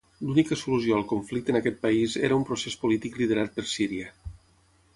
L'única solució al conflicte en aquest país era un procés polític liderat per Síria.